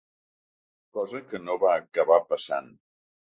Cosa que no va acabar passant.